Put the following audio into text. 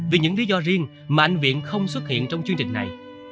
vì những lý do riêng mà anh viện không xuất hiện trong chương trình này